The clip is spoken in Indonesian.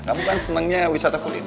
kamu kan senangnya wisata kulit